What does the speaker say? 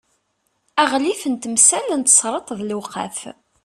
aɣlif n temsal n tesreḍt d lewqaf